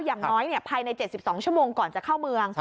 อย่างน้อยภายใน๗๒ชั่วโมงก่อนจะเข้าเมือง